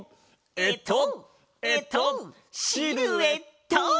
えっとえっとシルエット！